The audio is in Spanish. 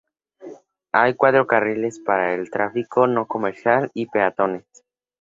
Hay cuatro carriles para el tráfico no comercial y peatones.